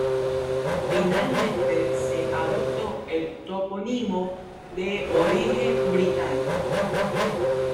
Finalmente se adoptó el topónimo de origen británico.